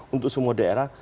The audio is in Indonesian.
untuk semua daerah